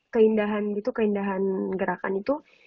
keindahan gitu keindahan gerakan itu